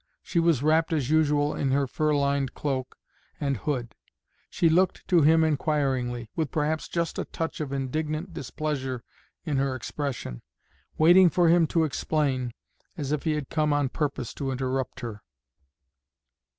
She was wrapped as usual in her fur lined cloak and hood. She looked to him inquiringly, with perhaps just a touch of indignant displeasure in her expression, waiting for him to explain, as if he had come on purpose to interrupt her.